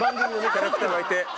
キャラクターがいて。